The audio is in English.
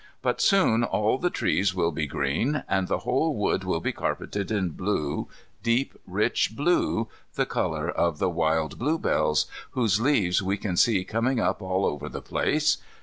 But soon all the trees will be green, and the whole wood will be carpeted in blue, deep rich blue, the colour of the wild blue bells, whose leaves we can see coming up all over the place.